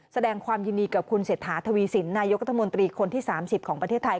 แสดงความยินดีกับคุณเศรษฐาทวีสินนายกรัฐมนตรีคนที่๓๐ของประเทศไทย